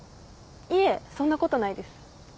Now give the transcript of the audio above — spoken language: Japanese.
いえそんなことないです。